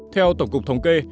theo tổng cục thống kê